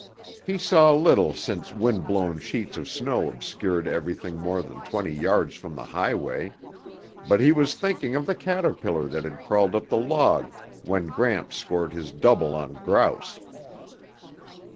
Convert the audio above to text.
He saw little since wind blown sheets of snow obscured everything more than twenty yards from the highway, but he was thinking of the caterpillar that had crawled up the log when Gramps scored his double on grouse.